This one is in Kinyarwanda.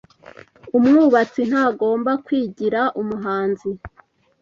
Umwubatsi ntagomba kwigira umuhanzi.